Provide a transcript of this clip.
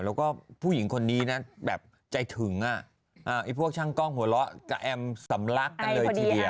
แล้วก็ผู้หญิงคนนี้นะแบบใจถึงพวกช่างกล้องหัวเราะกับแอมสำลักกันเลยทีเดียว